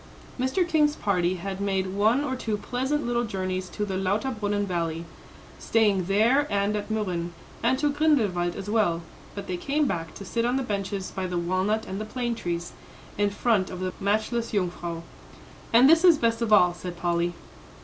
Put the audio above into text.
Mr. King's party had made one or two pleasant little journeys to the Lauterbrunnen Valley, staying there and at Mürren, and to Grindelwald as well; but they came back to sit on the benches by the walnut and the plane trees, in front of the matchless Jungfrau. "And this is best of all," said Polly.